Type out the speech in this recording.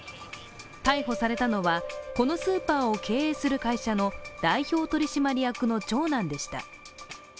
逮捕されたのは、このスーパーを経営する会社の代表取締役の長男でした。